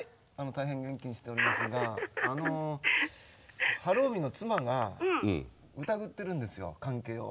大変元気にしておりますがあの晴臣の妻がうたぐってるんですよ関係を。